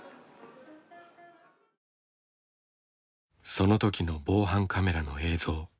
その時の防犯カメラの映像。